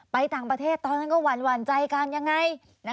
ไปต่างประเทศตอนนั้นก็หวานหวานใจกันอย่างไร